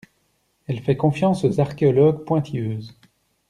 Elle fait confiance aux archéologues pointilleuses.